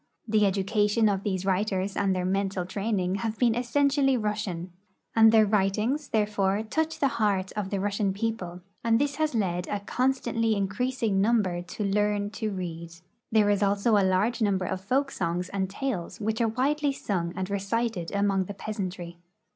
The education of these Avriters and their mental training have been essentially Russian, and their Avritings, therefore, touch the heart of the Russian people, and this has led a constantly increasing number to learn to read There is also a large number of folk songs and tales Avhich are Avidely sung and recited among the jAeasantry.